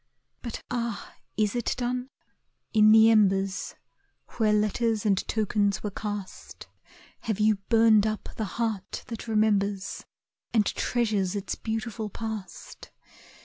But ah, is it done? In the embers Where letters and tokens were cast, Have you burned up the heart that remembers, And treasures its beautiful past?